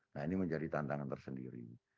nah ini menjadi tantangan tersendiri